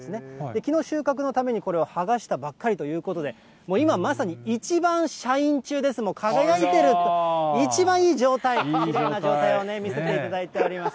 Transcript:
きのう、収穫のためにこれを剥がしたばっかりということで、もう今、まさに一番シャイン中です、もう輝いていると、一番いい状態、きれいな状態を見せていただいております。